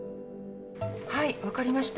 はい分かりました。